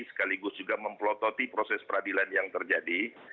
sekaligus juga memplototi proses peradilan yang terjadi